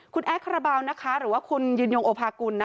คุณแอดคาราบาลหรือว่าคุณยืนยงโอภากุล